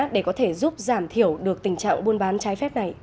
để có thể giúp giảm thiểu được tình trạng buôn bán trái phép này